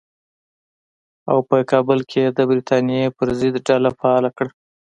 او په کابل کې یې د برټانیې پر ضد ډله فعاله کړه.